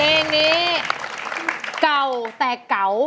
เรนนี่เก่าแต่เก่า